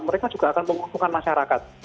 mereka juga akan menguntungkan masyarakat